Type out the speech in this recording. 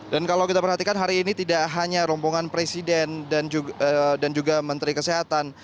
dan kalau kita perhatikan hari ini tidak hanya ronggongan presiden dan juga menteri kesehatan